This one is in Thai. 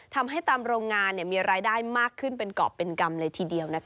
ทำให้ตามโรงงานมีรายได้มากขึ้นเป็นเกาะเป็นกรรมเลยทีเดียว